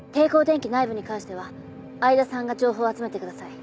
電機内部に関しては相田さんが情報を集めてください。